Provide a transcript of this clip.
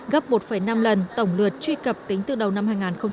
gấp một năm lần tổng lượt truy cập tính từ đầu năm hai nghìn một mươi chín